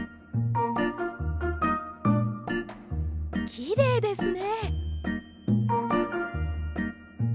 きれいですね。